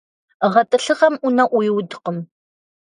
ГъэтӀылъыгъэм Ӏунэ Ӏуиудкъым.